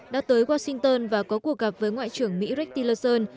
đã tới washington và có cuộc gặp với ngoại trưởng mỹ rick tillerson